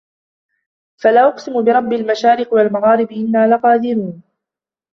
فلا أقسم برب المشارق والمغارب إنا لقادرون